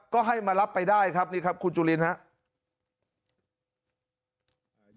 ก็ให้มารับไปได้ครับนี่ครับคุณจุลินครับ